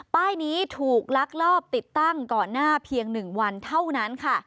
ป้ายนี้ถูกลักลอบติดตั้งก่อนหน้าเพียง๑วันเท่านั้นค่ะ